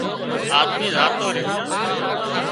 آۮمي زاتو ريو